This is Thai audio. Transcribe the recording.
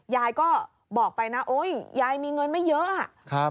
ยายก็บอกไปนะโอ๊ยยายมีเงินไม่เยอะอ่ะ